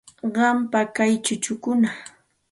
Qampam kay chukukuna.